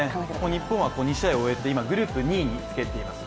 日本は２試合を終えて、今、グループ２位につけています。